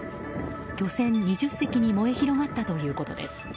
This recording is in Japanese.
漁船２０隻に燃え広がったということです。